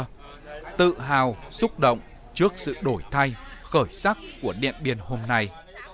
người hàn quốc đã tham gia chiến đấu trước sự đổi thay khởi sắc của điện biên hôm nay